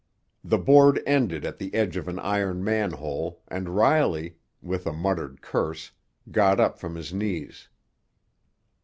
The board ended at the edge of an iron manhole, and Riley, with a muttered curse, got up from his knees.